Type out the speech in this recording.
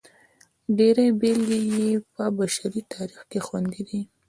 ډېرې بېلګې یې په بشري تاریخ کې خوندي دي.